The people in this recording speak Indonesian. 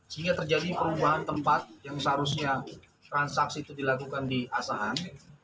sehingga terjadi perubahan tempat yang seharusnya transaksi itu dilakukan di asahan